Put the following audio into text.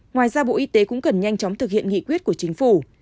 ngoài ra bộ y tế cũng cần nhanh chóng thực hiện nghị quyết của chính phủ